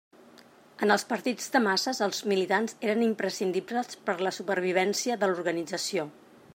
En els partits de masses, els militants eren imprescindibles per a la supervivència de l'organització.